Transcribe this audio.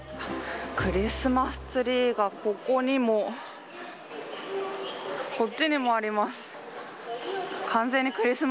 クリスマスツリーがここにも、こっちにもあります。